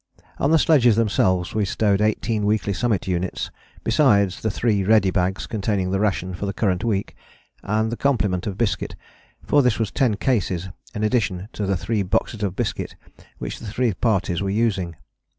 On the sledges themselves we stowed eighteen weekly Summit units, besides the three ready bags containing the ration for the current week, and the complement of biscuit, for this was ten cases in addition to the three boxes of biscuit which the three parties were using.